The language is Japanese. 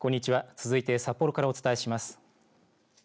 続いて札幌からお伝えします。